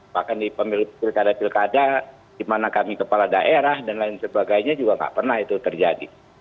bahkan di pilkada pilkada di mana kami kepala daerah dan lain sebagainya juga nggak pernah itu terjadi